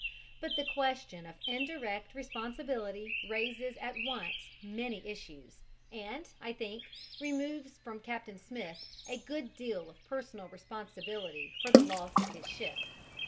But the question of indirect responsibility raises at once many issues and, I think, removes from Captain Smith a good deal of personal responsibility for the loss of his ship.